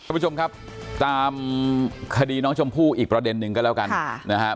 คุณผู้ชมครับตามคดีน้องชมพู่อีกประเด็นหนึ่งก็แล้วกันนะครับ